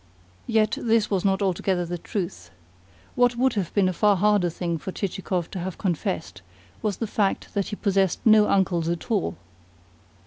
Yet this was not altogether the truth. What would have been a far harder thing for Chichikov to have confessed was the fact that he possessed no uncles at all.